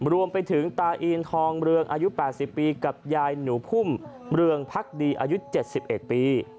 รวมไปถึงตาอีนทองเรืองอายุ๘๐ปีกับยายหนูพุ่มเรืองพักดีอายุ๗๑ปี